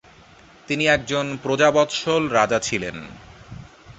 তিনি একজন প্রজাবত্সল রাজা ছিলেন।